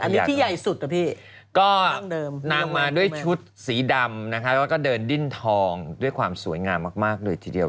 อันนี้ที่ใหญ่สุดนะพี่ก็นางมาด้วยชุดสีดำนะคะแล้วก็เดินดิ้นทองด้วยความสวยงามมากเลยทีเดียว